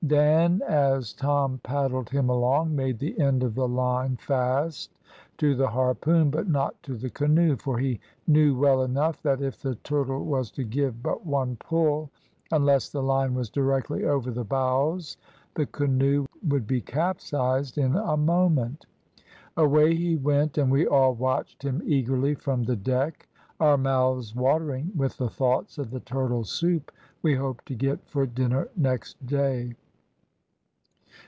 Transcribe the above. Dan, as Tom paddled him along, made the end of the line fast to the harpoon, but not to the canoe, for he knew well enough that if the turtle was to give but one pull, unless the line was directly over the bows, the canoe would be capsized in a moment. Away he went, and we all watched him eagerly from the deck, our mouths watering with the thoughts of the turtle soup we hoped to get for dinner next day.